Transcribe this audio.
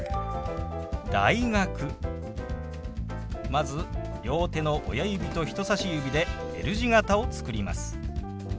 まず両手の親指と人さし指でＬ字形を作ります。